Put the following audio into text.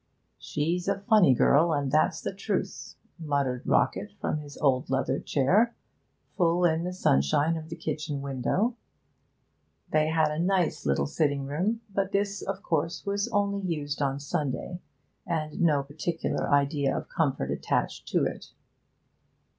'She's a funny girl, and that's the truth,' muttered Rockett from his old leather chair, full in the sunshine of the kitchen window. They had a nice little sitting room; but this, of course, was only used on Sunday, and no particular idea of comfort attached to it.